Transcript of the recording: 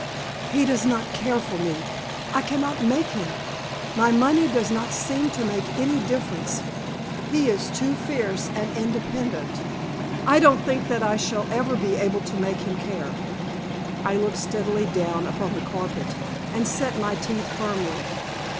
"He does not care for me. I cannot make him! My money does not seem to make any difference. He is too fierce and independent. I don't think that I shall ever be able to make him care." I looked steadily down upon the carpet, and set my teeth firmly.